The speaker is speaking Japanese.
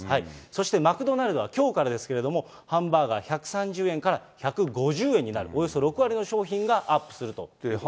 そしてマクドナルドはきょうからですけれども、ハンバーガー１３０円から１５０円になる、およそ６割の商品がアップするということなんです。